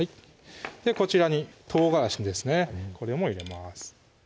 こちらに唐辛子ですねこれも入れます